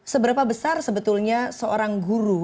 seberapa besar sebetulnya seorang guru